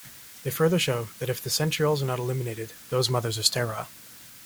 They further show that if the centrioles are not eliminated, those mothers are sterile.